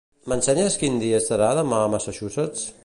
M'ensenyes quin dia serà demà a Massachusetts?